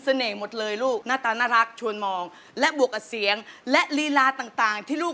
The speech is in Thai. ทนกับความน่ารักขอปันไว้ไม่ไหว